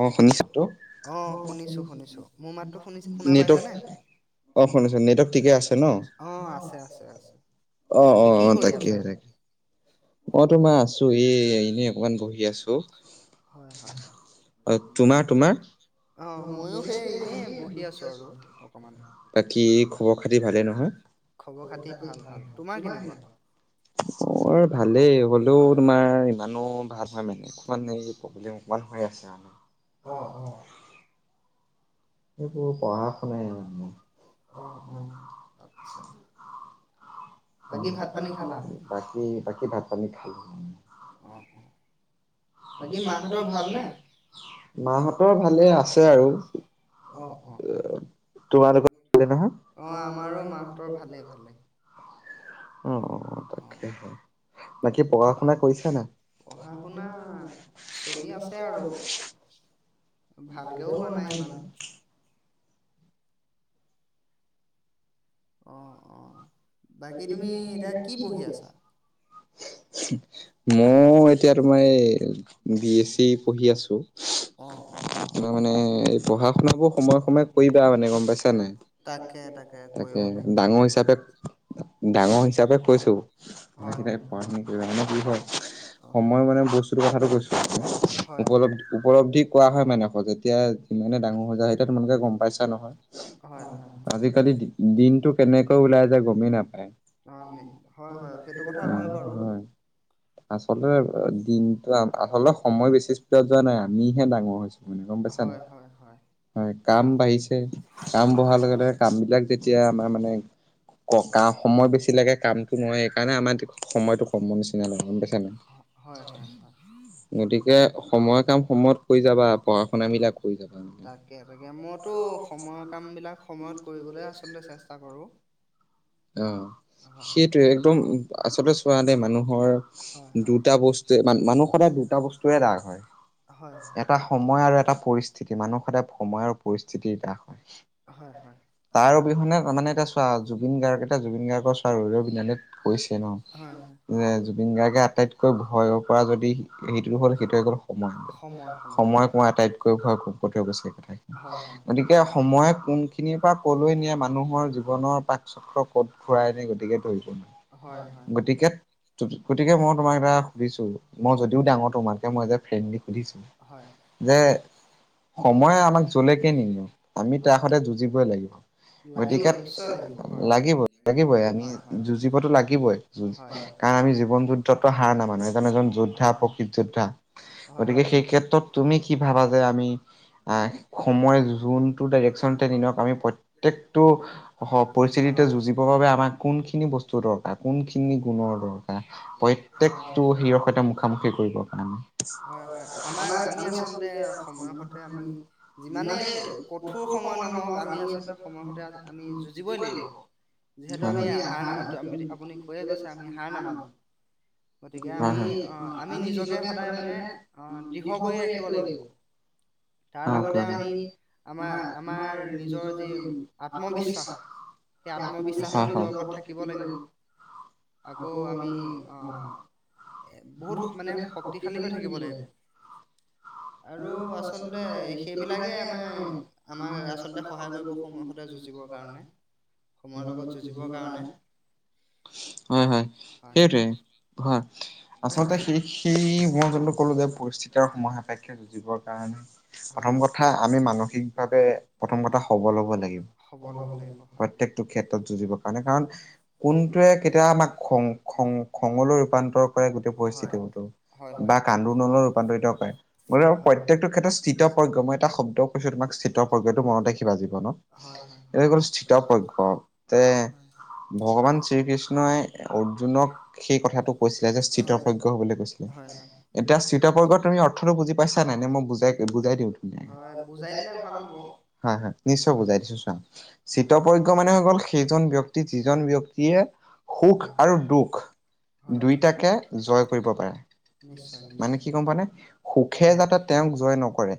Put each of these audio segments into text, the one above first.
অ শুনিছতো অ শুনিছো শুনিছো মোৰ মাততো শুনি শুনা নেটৱৰ্ক পাইছানে অ শুনিছো নেটৱৰ্ক ঠিকে আছে ন অ আছে আছে আছে অ অ বাকী কি অ কৰি তাকে আছা তাকে মই ঘৰমে তোমাৰ আছো এই এনেই অকমান বহি আছো হয় হয় অ তোমাৰ তোমাৰ অ ময়ো সেই এনেই বহি আছো আৰু অকমান বাকী খবৰ খাতি ভালে নহয় খবৰ খাতি ভাল ভাল তোমাৰ কেনেকুৱা মোৰ ভালেই হলেও তোমাৰ ইমানো ভাল ভাল নহয় অকমান এই প্ৰব্লেম অকমান হৈ আছে অ অ আৰু এইবোৰ পঢ়া শুনাই অ অ মানে আচ্ছা বাকী ভাত পানী খালা বাকী বাকী ভাত পানী খালা অঁ বাকী মাহঁতৰ ভাল নে মাহতৰ ভালেই আছে আৰু অ অ অ তোমালোকৰ ভালে নহয় অঁ আমাৰো মাহঁতৰ ভালেই ভালেই অ অ তাকে বাকী পঢ়া শুনা কৰিছা নাই পঢ়া শুনা চলি আছে আৰু ভালকেও হোৱা নাই ইমান অ অ বাকী তুমি এতিয়া কি পঢ়ি আছা [unintelligible] মোৰ এতিয়া তোমাৰ এই বি এছ চি পঢ়ি আছো। অ অ তাৰ মানে এই পঢ়া শুনাবোৰ সময়ে সময়ে কৰিবা মানে গম পাইছা নাই তাকে তাকে কৰিব লাগিব ডাঙৰ হিচাপে ডাঙৰ হিচাপে কৈছো ম হয় হয় পঢ়া হয় শুনা কৰিবা নে কি হয় অঁ সময় মানে বস্তুটো কথাটো কৈছো হয় উপল হয় উপলব্ধি কোৱা হয় মাই নাইখোৱা, যেতিয়া যিমানে ডাঙৰ হৈ যায় এতিয়া তোমালোকে গ'ম পাইছা নহয় হয় হয় হয়। আজিকালি দি দিনটো কেনেকৈ ওলাই যায় গ'মেই নাপায়। অ' হয়, হয় সেইটো কথা হয় বাৰু। আচলতে দিনটো আচলতে সময় বেছি স্পীডত যোৱা নাই, আমিহে ডাঙৰ হৈছো। মানে গম পাইছা হয়, নাই। হয়, হয়। হয়। কাম বাঢ়িছে কাম বঢ়াৰ হয় লগে লগে কাম বিলাক যেতিয়া আমাৰ মানে ক সময় বেছি লাগে কামটো নহয় এইকাৰণে আমাৰ সময়টো কমৰ নিচিনা লাগে গ'ম পাইছা নাই? হয়, হয়, হয়। গতিকে সময়ৰ কাম সময়ত কৰি যাবা পঢ়া শুনাবিলাক কৰি যাবা মানে তাকে, তাকে মইতো সময়ৰ কাম বিলাক সময়ত কৰিবলৈ দায় আচলতে চেষ্টা কৰো। অ' সেইটোৱে, একদম আচলতে চোৱা দেই মানুহৰ হয় দুটা বস্তু মানুহ সদায় দুটা বস্তুৰে হয় দাস হয়। হয়, হয়। এটা সময় আৰু এটা পৰিস্থিতি মানুহ সদায় সময় আৰু পৰিস্থিতিৰ দাস হয়, হয় হয়। তাৰ অবিহনে মানে এটা চোৱা জুবিন গাৰ্গ এতিয়া জুবিন গাৰ্গৰ চোৱা ৰৈ ৰৈ বিনালেত কৈছে ন, হয় হয় যে জুবিন গাৰ্গে আটাইতকৈ ভয় কৰা যদি সেইটো হ'ল সেইটোৱে হ'ল সময়, সময় সময়। সময়ক মই আটাইতকৈ ভয় কৰো। কৈ থৈ গৈছে কথাখিনি, হয় হয় হয়। গতিকে সময়ে কোনখিনিৰ পৰা ক'লৈ নিয়ে মানুহৰ জীৱনৰ পাক চক্ৰ ঘুৰাই নিয়ে গতিকে ধৰি হয় থ। হয় হয় গতিকে গতিকে মই তোমাক এটা সুধিছো, মই যদিও ডাঙৰ তোমাতকে মই যে ফ্ৰেণ্ডলি সুধিছো। হয়। সময় আমাক যলৈকে নিনোক। আমি তাৰ সৈতে যুঁজিবই লাগিব, লাগিবই গতিকে নিশ্চয় লাগিব হয় লাগিবই। লাগিবই আমি হয় হয়। যুঁজিবতো লাগিবই। হয়। কাৰণ আমি জীৱন যুদ্ধতটো হাৰ নামানো এজন এজন যোদ্ধা হয় প্ৰকৃত যোদ্ধা। হয়। গতিকে সেই ক্ষেত্ৰত তুমি কি ভাবা যে হয় আমি আহ সময় যোনটো ডাইৰেকশ্যনতে নিনিয়ক আমি প্ৰত্যকটো হয়। পৰিস্থিতিতে যুঁজি বৰ বাবে আমাক কোনখিনি বস্তুৰ দৰকাৰ কোনখিনি গুণৰ দৰকাৰ? প্ৰত্যযকটো হি'ৰৰ সৈতে মুখামুখি কৰিবৰ কাৰণে। হয় হয় হয় আমাৰ আমি আচলতে সময় সতে আমি যিমানে কঠোৰ সময় নহওঁক আমি আচলতে সময় সৈতে আমি যুঁজিবই লাগিব। হয় যিহেতু হয় আমি হাৰ আপুনি কৈয়ে গৈছে আমি হাৰ নামানো। গতিকে আমি আহ আমি নিজকে সদায় মানে আহ দৃঢ় কৰি ৰাখিব লাগিব। তাৰ লগতে আমি আমাৰ আমাৰ নিজৰ যি আত্মবিশ্বাস। সেই আত্মবিশ্বাতো হয় হয় নিজৰ ওপৰত থাকিব লাগিব। হয় আকৌ আমি অ', এ বহুত মানে শক্তিশালী হৈ থাকিব লাগিব। [inaudible] আৰু আচলতে সেইবিলাকে আমি আমাৰ আচলতে সহায় কৰিব সময় সতে যুজ যুঁজিবৰ কাৰনে। [unintelligible] যুঁজিবৰ কাৰণে হয়, হয় হয় সেইটোৱে। হয়, আচলতে সেই সেই মই যোনটো ক'লো যে পৰিস্থিতিৰ সময় সাপেক্ষে যুঁজিবৰ কাৰণে প্ৰথম কথা মানসিকভাৱে হয় প্ৰথম কথা সবল লাগিব। সবল হ'ব লাগিব। হয়। প্ৰতেকটো ক্ষেত্ৰত যুঁজিবৰ কাৰণে কাৰণ কোনটোৱে কেতিয়াব আমাক খং খং খঙলৈ ৰূপান্তৰ কৰে গোটেই হয়, পৰিস্থিতিতো। হয়, হয়। হয়। হয়, হয়, হয়। বা কান্দোনলৈ ৰূপান্তৰিত কৰে, গতিকে হয়। প্ৰত্যেকটো ক্ষেত্ৰত স্থিতপৰ্জ্ঞ মই এটা শব্দ কৈছো তোমাক স্থিতৰ্পজ্ঞ এইটো মনত জীৱনত এইটো হৈ গ'ল স্থিতৰ্পজ্ঞ। তে ভগৱান শ্ৰী কৃষ্ণই অৰ্জুনক সেই কথাটো কৈছিলে যে, স্থিতপজ্ঞ হ'বলৈ কৈছিলে হয়, হয়, হয়, এতিয়া চিতাপজ্ঞ তুমি অৰ্থ বুজি পাইছা নে নাই, নে মই বুজাই বুজাই দিওঁ হয়, বুজাই দিলে ভাল হ'ব। হয়, হয়, নিশ্চয় হয়, বুজাই দিছো চোৱা চিতপজ্ঞ মানে হৈ গ'ল সেইজন ব্যক্তি যিজন ব্যক্তিয়ে সুখ হয়। আৰু দুখ হয়, হয়, দুই তাকে হয়, জয় কৰিব হয়। পাৰে। নিশ্চয় মানে নিশ্চয় কি গ'ম পোৱা নে সুখে হয় যাতে তেওঁক জয় নকৰে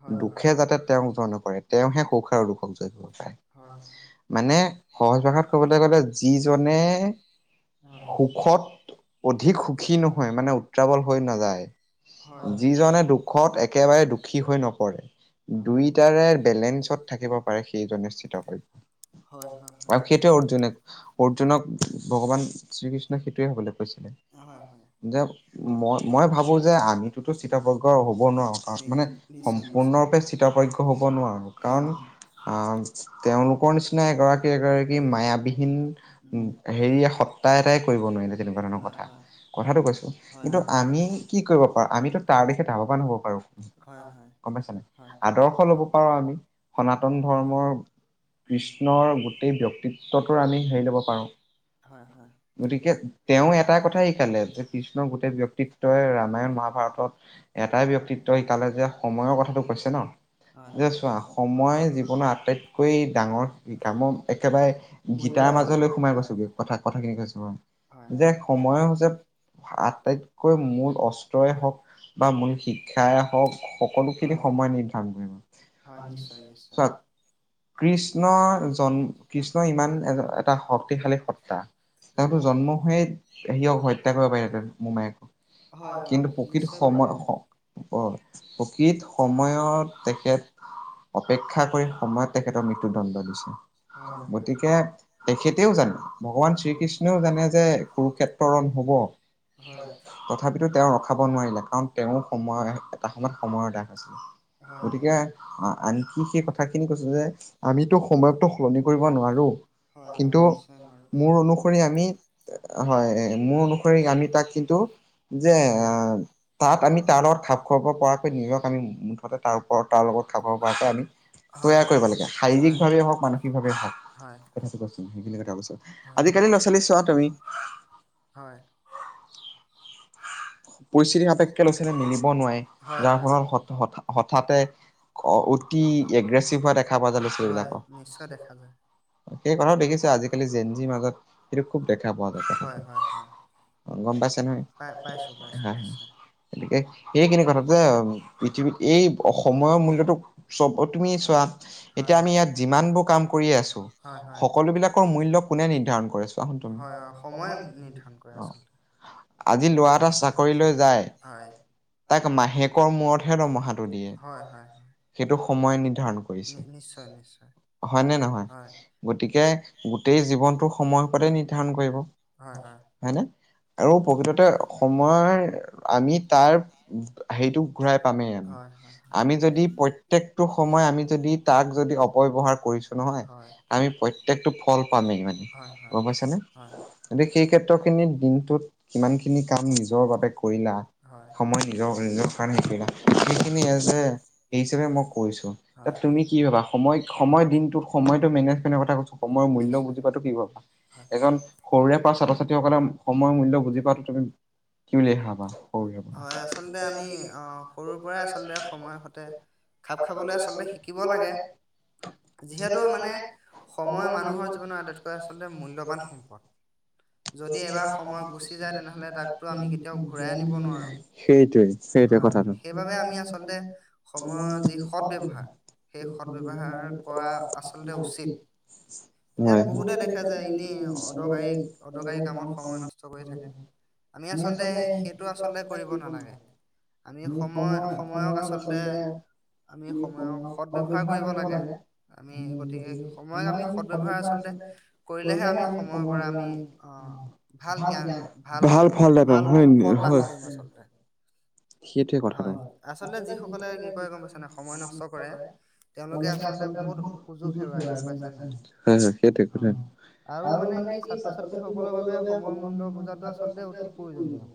হয় হয় হয় হয় দুখে যাতে তেওঁক জয় নকৰে তেওঁহে সুখ আৰু দুখক জয় কৰিব পাৰে। হয়, হয়। মানে সহজ ভাষাত ক'বলৈ গ'লে যিজনে [unintelligible] হয়। সুখত অধিক সুখী নহয় মানে উত্ৰাৱল হৈ নাযায় হয় হয় যিজনে দুখত একেবাৰে দুখী হৈ নপৰে। দুইটাৰে বেলেঞ্চত থাকিব পাৰে সেইজনেই স্থিতপজ্ঞ। আৰু সেইটোৱে অৰ্জুনে অৰ্জুনক ভগৱান শ্ৰীকৃষ্ণই সেইটোৱে হ'বলৈ কৈছিলে। হয়, হয়। যে মই মই ভাবোঁ যে আমিতোতো স্থিতপজ্ঞ হ'ব নোৱাৰোঁ কাৰণ নি- মানে নি- নিশ্চয় নিশ্চয় সম্পূৰ্ণৰূপে স্থিতপজ্ঞ হ'ব নোৱাৰো হয় কাৰণ হয় অঁ, তেওঁলোকৰ নি চিনা এগৰাকী এগৰাকী মায়াবিহীন উম হেৰিয়ে সত্তা এটাই কৰিব নোৱাৰিলে। তেনেকুৱা ধৰণৰ হয় কথা। হয় কথাটো কৈছো, হয়। কিন্তু আমি কি কৰিব পাৰো আমিতো তাৰ দিশে লাভৱান হ'ব পাৰো। হয় হয় গম পাইছা নাই, হয় আদৰ্শ লব পাৰো আমি সনাতন ধৰ্মৰ। উম। কৃষ্ণৰ গোটেই ব্যক্তিত্বটোৰ আমি হেৰি ল'ব পাৰোঁ। হয় হয়। এটা কথাই শিকালে যে কৃষ্ণৰ গোটেই ব্যক্তিত্বই ৰামায়ণ, মহাভাৰত এটাই ব্যক্তি ত সিকালে যে সময়ৰ কথাটো কৈছে ন, যে চোৱা সময় জীৱনৰ আটাইতকৈ ডাঙৰ কামৰ একেবাৰে গীতাৰ মূল্যৱান মাজলৈ সোমাই হয়। গৈছোগো কথা কথাখিনি কৈছো অঁ। যে সময় সোজত আটাইতকৈ মূল অস্ত্ৰই হওক বা মূল শিক্ষাই হওক সকলো খিনি হয় হয় সময় নিৰ্ধাৰণ কৰিব। [inaudible] হয় নিশ্চয় নিশ্চয়। কৃষ্ণ জন কৃষ্ণ ইমান এটা শক্তিশালী সত্তা। তাহঁতৰ জন্ম সেই সিয়ক হত্যা কৰিব পাৰি মোমায়েকক। হয় হয় কিন্তু প্ৰকৃত নিশ্চয় সময় পাৰিলাহেঁতেন প্ৰকৃত সময়ত তেখেত অপেক্ষা কৰি আমাক তেখেতৰ মৃত্যুদণ্ড দিছে, হয় হয়। গতিকে তেখেতেও জানে ভগৱান শ্ৰীকৃ ষ্ণও জানে যে কুৰুক্ষেত্ৰ ৰণ হব। হয়। তথাপিতো তেওঁ ৰখাব নোৱাৰিলে, কাৰণ তেওঁ সময় এটা সময়ত সময়ৰ দাখ হৈছিলে। হয় হয় গতিকে আনকি সেই কথা খিনি কৈছো যে আমিতো সময়কটো সলনি কৰিব নোৱাৰো, হয় হয় কিন্তু নিশ্চয় নোৱাৰোঁ মোৰ অনুসৰি আমি হয় মোৰ অনুসৰি আমি তাক কিন্তু যে আঁহ তাত আমি তাৰ লগত খাপ খুৱাব পৰাকৈ নিজক আমি তাৰ ওপৰত তাৰ লগত খাব পৰাটোৱে আমি হয় তৈয়াৰ হয়। কৰিব লাগে হয় শাৰীৰিক হয় হয় ভাৱেই হওক মানসিক ভাৱেই হওক হয়। আজিকালি ল'ৰা ছোৱালী চোৱা তুমি হয় পৰিস্থিতি সাপেক্ষে ল'ৰা ছোৱালী মিলিব নোৱাৰে যাৰ হয়। ফলত হঠ- হঠ- হঠাতে অ অতি এগ্ৰেছিভ হোৱা দেখা পোৱা যায় ল'ৰা ছোৱালীবিলাক হয়, নিশ্চয় দেখা যায়। সেই কথা দেখিছো আজিকালি জেনজিৰ মাজত সেইটো খুব দেখা পোৱা যায় হয় হয় কথাটো। হয় গম পাইছে পাই পাইছো পাইছো নিশ্চয়। এ এইখিনি কথা ত পৃথিৱীত এই সময়ৰ মূল্যটো চব তুমি চোৱা এতিয়া হয় আমি ইয়াত যিমানবোৰ কাম কৰিয়ে আছো, হয় হয় সকলো বিলাকৰ মূল্য কোনে নিৰ্ধাৰণ কৰে চোৱা, সেটো হয় হয় সময় নিৰ্ধাৰণ কৰে অ আচলতে আজি ল'ৰা এটা চা হয়। মাহেকৰ মূৰতহে দৰমহাটো দিয়ে হয় হয় হয়। সেইটো সময় নি নিশ্চয় নিশ্চয়। হয় নে নহয়, হয় গতিকে গোটেই জীৱনটো সময় ওপৰতে নিৰ্ধাৰণ কৰিব। হয় হয়। হয়নে? আৰু প্ৰকৃততে সম ময় আমি তাৰ হেৰিটো ঘূৰাই পামেই। আহিব। আমি যদি প্ৰ ত্যেকটো সময় আমি যদি তাক যদি অপব্যৱহাৰ কৰিছো নহয়, হয় হয় আমি প্ৰ ত্যেকটো ফল পামেই মানে হয় হয় গম পাইছা নে, হয় গতিকে সেই ক্ষেত্ৰখিনিত দিনটোত কিমান খিনি কাম নিজৰ বাবে কৰিলা। হয় সময় নিজৰ নিজৰ কাৰণে শিকিলা হয়। সেইখিনি এজ হয় এই হিচাপে মই কৈছোঁ ত হয়। তুমি কি ভাবা সময় সময় দিনটোত সময়টো মেনেজমেণ্টৰ কথা কৈছো সময়ৰ মূল্য নিশ্চয় বুজি পোৱাটো কি ভাবা হয়। এজন সৰুৰে পা ছাত্ৰ ছাত্ৰীসকলে সময়ৰ মূল্য বুজি পোৱাটো তুমি কি বুলি ভাবা সৰুৰে পৰা হয় আচলতে আমি সৰুৰ পৰাই আচলতে সময় সতে খাপ খাবলৈ আচলতে শিকিব লাগে। [unintelligible] যিহেতু মানে সময় মানুহৰ জীৱনৰ আটাইতকৈ আচলতে মূল্যবান সম্পদ যদি এবাৰ সময় গুচি যায় তেনেহ'লে তাকটো আমি কেতিয়াও ঘূৰাই আনিব নোৱাৰো সেইটোৱে সেইটোৱে হয় কথাটো সেইবাবে আমি আচলতে সময়ৰ যি সৎ ব্যৱহাৰ সেই সৎ ব্যৱহাৰ কৰা আচলতে উচিত এতিয়া হয় বহুতে দেখ দেখে যে এনেই অদৰকাৰী অদৰকাৰী কামত সময় নষ্ট কৰি থাকে আমি আচলতে সেইটো আচলতে কৰিব নালাগে আমি সময় সময়ক আচলতে আমি সময়ক সৎ ব্যৱহাৰ কৰিব লাগে। আমি গতিকে সময়ক আমি সৎ ব্যৱহাৰ আচলতে কৰিলেহে আমি সময়ৰ পৰা আমি অহ ভাল জ্ঞান ভাল ফল নাপাম ভাল হয় ফল লাভ হয় কৰিম আচলতে সেইটোৱে কথাটো হয় আচলতে যিসকলে কি কৰে গম পাইছে নাই সময় নষ্ট কৰে তেওঁলোকে আচলতে বহুত সুযোগ হেৰুৱাই গম পাইছা নাই হয় সেইটোৱে অ কথাটো আৰু মানে কি ছাত্ৰ ছাত্ৰী সকলৰ বাবে সম সময়ৰ মূল্য বোজাটো আচলতে অতি প্ৰয়োজনীয়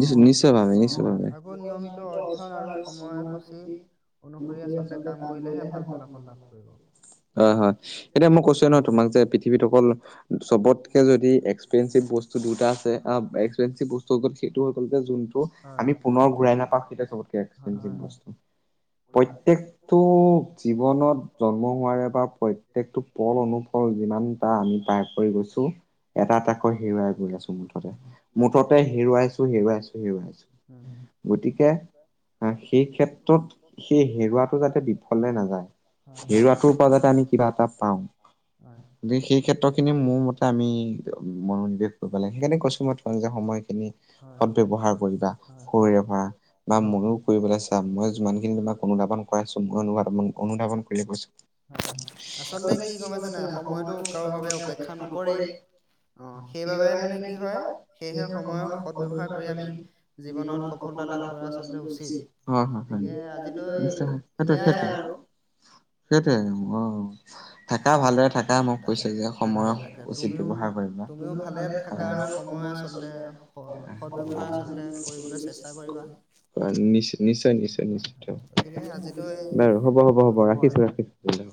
অ নিশ্চয় ভাবে অ নিশ্চয় ভাবে আকৌ নিয়মিত অধ্যয়ন আৰু সময়সূচী অনুসৰি আচলতে কাম কৰিলেহে ভাল ফলাফল লাভ কৰিব। হয় হয় এতিয়া মই কৈছোঁ ন তোমাক যে পৃথিৱীত অকল চবতকে যদি এক্সপেঞ্চিভ বস্তু দুটা আছে এক্সপেঞ্চিভ বস্তু ত সেইটো হৈ গল যে যোনটো হয় আমি পুনৰ ঘুৰাই নাপাওঁ সেইতো চবতকে হয় এক্সপেঞ্চিভ হয় বস্তু প্ৰত্যেকটো জীৱনত জন্ম হোৱাৰে পৰা প্ৰত্যেকটো পল অনুপ অনুপল যিমানটা আমি পাৰ কৰি গৈছো এটা এটাকৈ হেৰুৱাই গৈ আছো মুঠত [unintelligible] উম হেৰুৱাইছোঁ গতিকে আহ সেই ক্ষেত্ৰত সেই হেৰুৱাটো যাতে বিফলে নাযায় হয় হেৰুৱাটোৰ পৰা যাতে আমি কিবা হয় এটা পাওঁ। [unintelligible] গতিকে সেই ক্ষেত্ৰ খিনি মোৰ মতে আমি মনোনিৱেশ কৰিব লাগে সেইকাৰণে কৈছোঁ মই তোমাক যে সময়খিনি হয় সদ হয় ব্যৱহাৰ কৰিবা হয় হয় হয় সৰুৰে ভৰা বা হয় হয় ময়ো কৰিবলৈ চাম মই যিমান খিনি তোমাক সময় নাপ কৰা অনুধাৱন কৰি কৈছো আচলতে কি গম পাইছে নাই সময়টো কাৰো বাবে অপেক্ষা নকৰেই [unintelligible] অ সেইবাবে মানে কি হয় সেয়েহে সময়ৰ সৎ ব্যৱহাৰ কৰি আমি জীৱনত সফলতা লাভ কৰা আচলতে উচিত হয় হয় হয় গতিকে আজিলৈ এয়াই আৰু অ, সেইটোয়ে অ থাকা ভালদৰে থাকা মোক কৈছে যে তাকে সময় তাকে উচিত তুমিও ব্যৱহাৰ কৰিবা। তুমিও ভালে থা থকা আৰু সময় আচলতে সৎ ব্যৱহাৰ আচলতে কৰিবলৈ চেষ্টা কৰিবা নিশ্চয় নিশ্চয় নিশ্চয় হয়। নিশ্চয়। গতিকে আজিলৈ বাৰু হ'ব আৰু হ'ব আৰু। ৰাখিছোঁ ৰাখিছোঁ